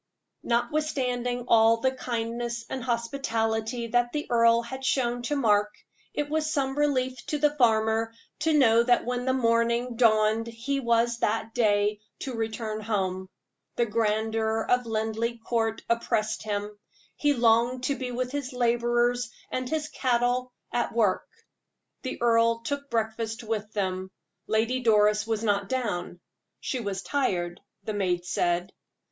Notwithstanding all the kindness and hospitality that the earl had shown to Mark, it was some relief to the farmer to know that when morning dawned he was that day to return home. The grandeur of Linleigh Court oppressed him; he longed to be with his laborers and his cattle, at work. The earl took breakfast with them; Lady Doris was not down "she was tired," the maid said.